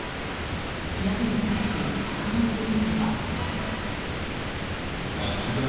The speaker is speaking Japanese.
調べに対し、赤間容疑者は。